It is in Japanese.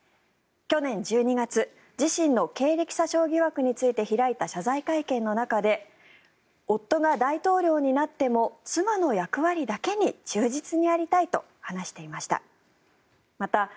去年１２月自身の経歴詐称疑惑について開いた謝罪会見の中で夫が大統領になっても妻の役割だけに忠実にありたいと話していました。